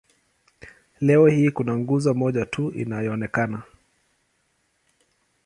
Leo hii kuna nguzo moja tu inayoonekana.